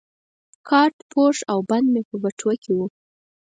کارت پوښ او بند مې په بټوه کې وو.